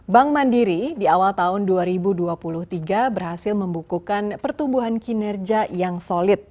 bank mandiri di awal tahun dua ribu dua puluh tiga berhasil membukukan pertumbuhan kinerja yang solid